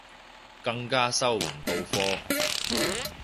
更加收唔到科